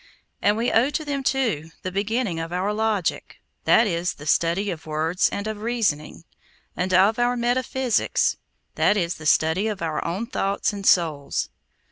And we owe to them, too, the beginning of our logic—that is, the study of words and of reasoning; and of our metaphysics—that is, the study of our own thoughts and souls.